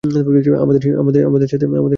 আমাদের সাথে এসে বসো।